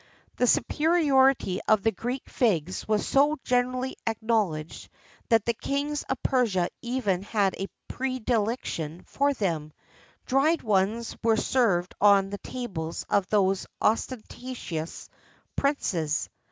The superiority of the Greek figs was so generally acknowledged that the kings of Persia even had a predilection for them: dried ones were served on the tables of these ostentatious princes.